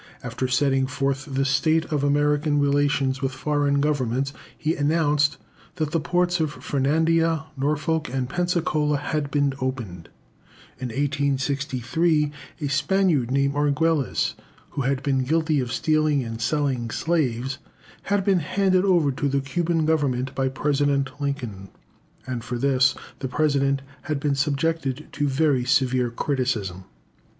After setting forth the state of American relations with foreign Governments, he announced that the ports of Fernandina, Norfolk, and Pensacola had been opened. In 1863, a Spaniard named Arguelles, who had been guilty of stealing and selling slaves, had been handed over to the Cuban Government by President Lincoln, and for this the President had been subjected to very severe criticism.